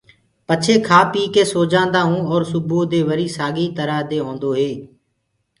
پڇي کآ پيٚڪي سو جآنٚدآ هونٚ اور سُبوئو دي وري سآڳي ترآ دي هوندو هي۔